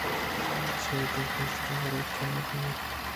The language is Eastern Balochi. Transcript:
چِد ءُ پیسر بروکے کئے بُوتگ